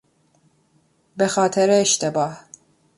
به خاطر اشتباه